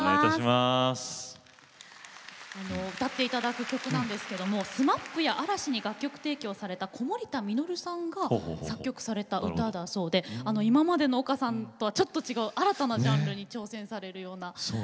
歌っていただく歌はＳＭＡＰや嵐に楽曲提供されたコモリタミノルさんが作曲された歌だそうで今までの丘さんとはちょっと違う、新たなジャンルに挑戦されるような。